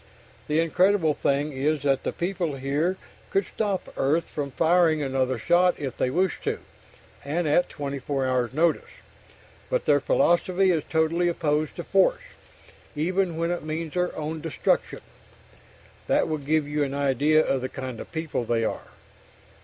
The incredible thing is that the people here could stop Earth from firing another shot if they wished to, and at 24 hours' notice, but their philosophy is totally opposed to force, even when it means their own destruction. That will give you an idea of the kind of people they are.